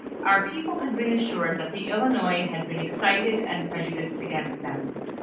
Our people had been assured that the Binois had been ex cited and prejudiced against them.